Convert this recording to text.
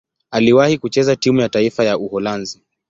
Aliwahi kucheza timu ya taifa ya Uholanzi.